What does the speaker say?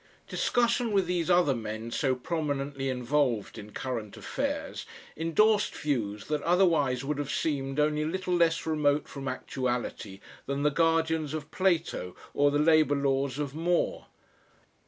Discussion with these other men so prominently involved in current affairs endorsed views that otherwise would have seemed only a little less remote from actuality than the guardians of Plato or the labour laws of More.